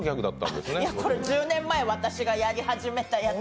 それ、１０年前に私がやり始めたやつ。